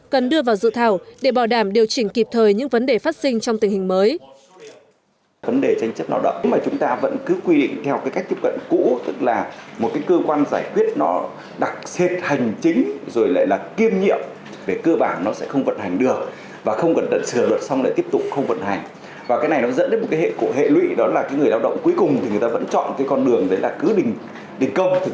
cần đưa vào dự thảo để bảo đảm điều chỉnh kịp thời những vấn đề phát sinh trong tình hình mới